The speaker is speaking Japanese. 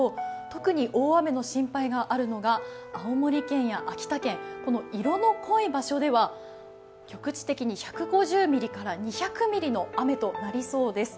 特に大雨の心配があるのが青森県や秋田県、色の濃い場所では局地的に１５０ミリから２００ミリの雨となりそうです。